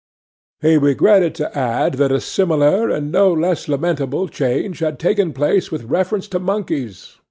He regretted to add that a similar, and no less lamentable, change had taken place with reference to monkeys.